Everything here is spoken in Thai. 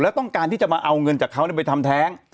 แล้วต้องการที่จะมาเอาเงินจากเขาไปทำแท้ง